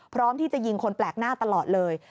พร้อมที่จะยิงคนแปลกหน้าตลอดเลย